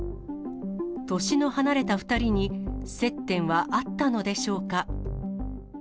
年の離れた２人に、接点はあったのでしょうか。